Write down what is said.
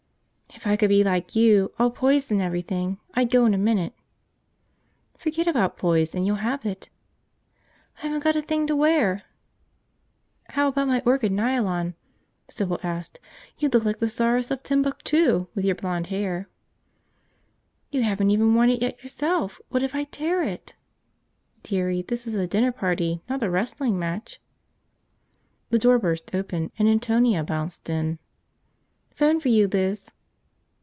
"If I could be like you, all poised and everything, I'd go in a minute." "Forget about poise and you'll have it." "I haven't got a thing to wear!" "How about my orchid nylon?" Sybil asked. "You'd look like the Czaress of Timbuktu, with your blond hair." "You haven't even worn it yet yourself! What if I tear it?" "Dearie, this is a dinner party, not a wrestling match." The door burst open and Antonia bounced in. "Phone for you, Liz."